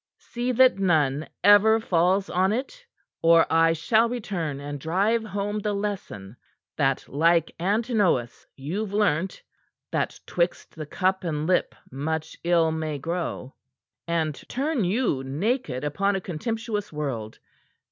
See that none ever falls on it, or I shall return and drive home the lesson that, like Antinous, you've learnt that 'twixt the cup and lip much ill may grow' and turn you, naked upon a contemptuous world.